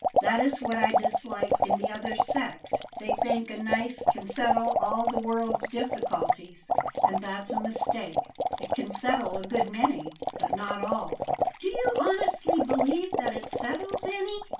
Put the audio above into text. That is what I dislike in the other sect. They think a knife can settle all the world's difficulties; and that's a mistake. It can settle a good many, but not all." "Do you honestly believe that it settles any?"